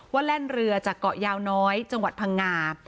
แล่นเรือจากเกาะยาวน้อยจังหวัดพังงา